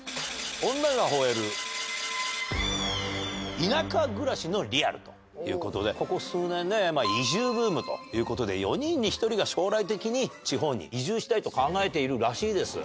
女が吠える田舎暮らしのリアルということで、ここ数年ね、移住ブームということで、４人に１人が、将来的に地方に移住したいと考えているらしいです。